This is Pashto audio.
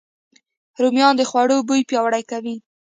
رومیان د خوړو بوی پیاوړی کوي